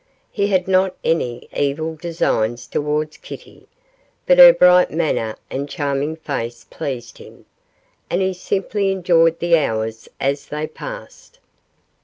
He had not any evil designs towards Kitty, but her bright manner and charming face pleased him, and he simply enjoyed the hours as they passed.